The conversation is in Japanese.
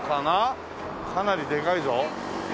かなりでかいぞ。